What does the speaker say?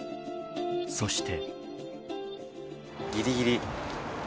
そして。